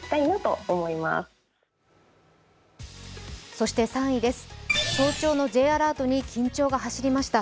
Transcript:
そして３位です、東京のＪアラートに緊張が走りました。